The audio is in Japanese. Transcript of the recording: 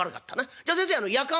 じゃ先生やかんは？」。